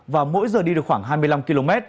và mỗi giờ đi được khoảng hai mươi năm km